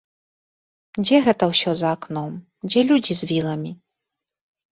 Дзе гэта ўсё за акном, дзе людзі з віламі?